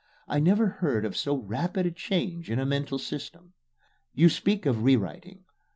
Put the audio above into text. I never heard of so rapid a change in a mental system. You speak of rewriting.